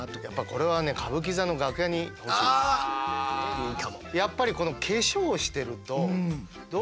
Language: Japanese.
いいかも。